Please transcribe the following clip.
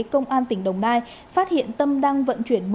công an tỉnh đồng nai phát hiện tâm đang vận chuyển